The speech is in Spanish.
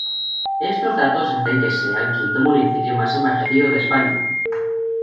Estos datos hacen que sea el quinto municipio más envejecido de España.